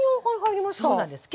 そうなんです。